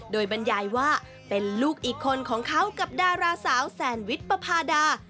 โดยบรรยายว่าเป็นลูกอีกคนของเขากับดาราสาวแสนวิทย์ปภาดา